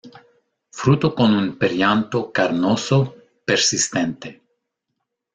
Fruto con un perianto carnoso, persistente.